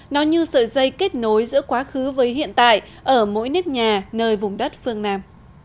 nó như sợi dây kết nối giữa quá khứ với hiện tại ở mỗi nếp nhà nơi vùng đất phương nam